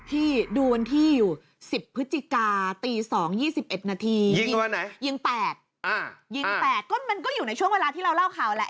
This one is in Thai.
ที่ดูวันที่อยู่๑๐พฤศจิกาตี๒๒๑นาทียิงวันไหนยิง๘ยิง๘ก็มันก็อยู่ในช่วงเวลาที่เราเล่าข่าวแหละ